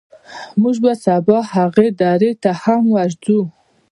موږ به سبا هغې درې ته هم ورځو.